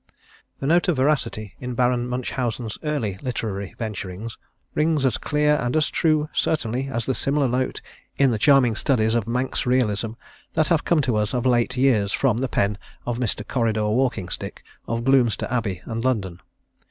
The note of veracity in Baron Munchausen's early literary venturings rings as clear and as true certainly as the similar note in the charming studies of Manx Realism that have come to us of late years from the pen of Mr. Corridor Walkingstick, of Gloomster Abbey and London.